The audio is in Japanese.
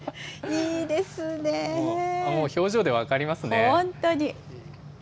表情で分かりますね。